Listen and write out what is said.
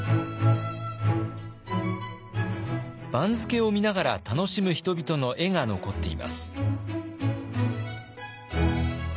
番付を見ながら楽しむ人々の絵が残っています。